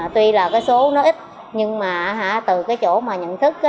tuy là cái số nó ít nhưng mà từ cái chỗ mà nhận thức